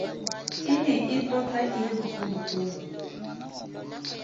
E ne e tota e le bogologolo.